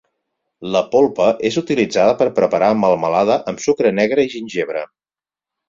La polpa és utilitzada per a preparar melmelada amb sucre negre i gingebre.